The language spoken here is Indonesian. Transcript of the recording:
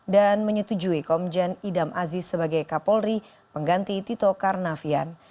dan menyetujui komjen idam aziz sebagai kapolri pengganti tito karnavian